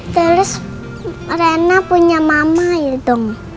terus rena punya mama ya dong